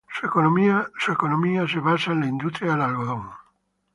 Su economía se basa en la industria del algodón.